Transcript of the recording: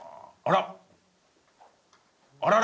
あら！